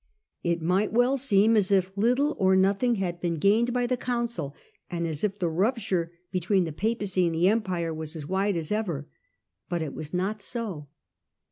It might seem as if little or nothing had been gained by the council, and as if the rupture between the Papacy and the Empire was as wide as ever; but it was not so.